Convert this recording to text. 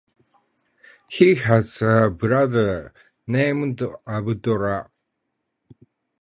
He has a brother named Abdullah.